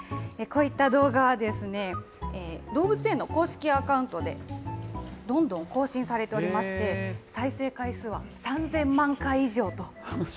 こういった動画は、動物園の公式アカウントで、どんどん更新されておりまして、再生回数は３０００万回以上と。